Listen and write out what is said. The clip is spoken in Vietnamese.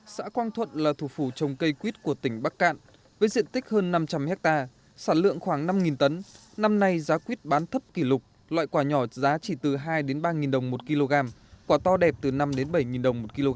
xã quang thuận là thủ phủ trồng cây quýt của tỉnh bắc cạn với diện tích hơn năm trăm linh hectare sản lượng khoảng năm tấn năm nay giá quýt bán thấp kỷ lục loại quả nhỏ giá chỉ từ hai ba đồng một kg quả to đẹp từ năm bảy đồng một kg